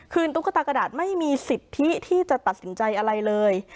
ตุ๊กตากระดาษไม่มีสิทธิที่จะตัดสินใจอะไรเลย